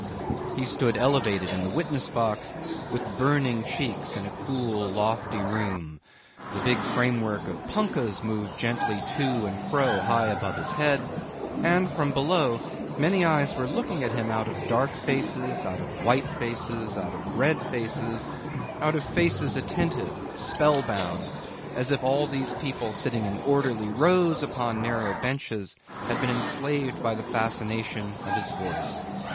He stood elevated in the witness box, with burning cheeks in a cool lofty room: the big framework of punkahs moved gently to and fro high above his head, and from below many eyes were looking at him out of dark faces, out of white faces, out of red faces, out of faces attentive, spellbound, as if all these people sitting in orderly rows upon narrow benches had been enslaved by the fascination of his voice.